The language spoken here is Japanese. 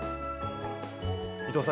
伊藤さん